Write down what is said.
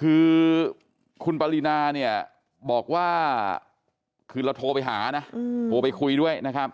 คือคุณปรินาเนี่ยบอกว่าคือเราโทรไปหานะโทรไปคุยด้วยนะครับ